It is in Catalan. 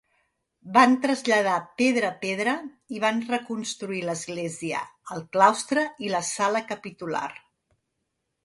Van traslladar pedra a pedra i van reconstruir l'església, el claustre i la sala capitular.